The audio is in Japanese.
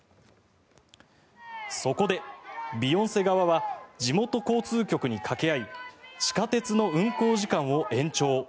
そこで、ビヨンセ側は地元交通局にかけ合い地下鉄の運行時間を延長。